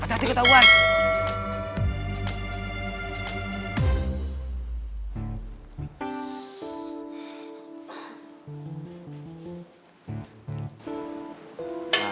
tunggu sini lo pada